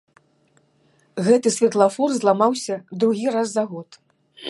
Гэты святлафор зламаўся другі раз за год.